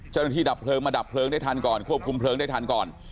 ดับเพลิงมาดับเพลิงได้ทันก่อนควบคุมเพลิงได้ทันก่อน